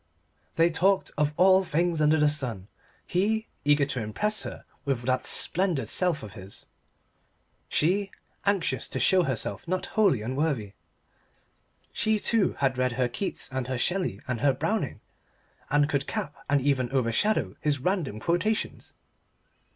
They talked of all things under the sun: he, eager to impress her with that splendid self of his; she, anxious to show herself not wholly unworthy. She, too, had read her Keats and her Shelley and her Browning and could cap and even overshadow his random quotations.